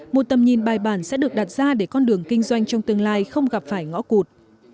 một tầm nhìn bài bản sẽ được đặt ra để con đường kinh doanh trong tương lai không gặp phải ngõ cụt